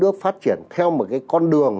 đất nước phát triển theo một cái con đường